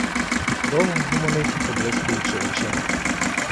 Довго гомонить, поблискуючи очима.